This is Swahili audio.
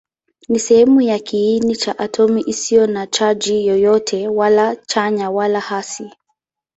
Ni sehemu ya kiini cha atomi isiyo na chaji yoyote, wala chanya wala hasi.